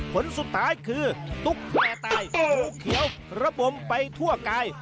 ผลสุดท้ายคือตุ๊กแก่ตายโอ้โหเขียวระบมไปทั่วกาย